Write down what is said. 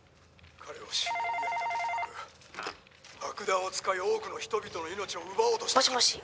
「爆弾を使い多くの人々の命を奪おうとした彼女には」